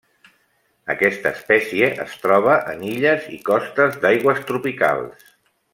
Aquesta espècie es troba en illes i costes d'aigües tropicals.